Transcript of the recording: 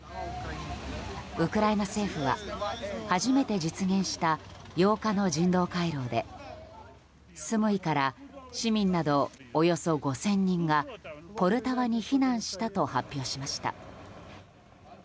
ウクライナ政府は初めて実現した８日の人道回廊でスムイから市民などおよそ５０００人がポルタワに避難したと発表しました。